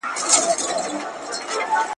څوک غواړي سوله په بشپړ ډول کنټرول کړي؟